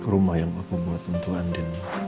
ke rumah yang aku buat untuk andin